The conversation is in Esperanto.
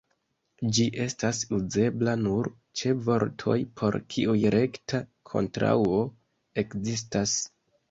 Ĝi estas uzebla nur ĉe vortoj, por kiuj rekta kontraŭo ekzistas.